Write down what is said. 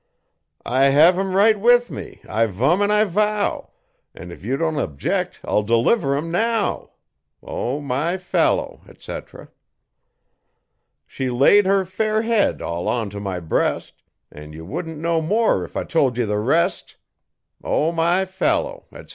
'I hev 'em right with me, I vum an' I vow, An' if you don't object I'll deliver 'em now.' O, my fallow, etc. She laid her fair head all on to my breast, An' ye wouldn't know more if I tol' ye the rest O, my fallow, etc.